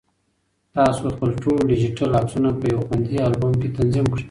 تاسو خپل ټول ډیجیټل عکسونه په یو خوندي البوم کې تنظیم کړئ.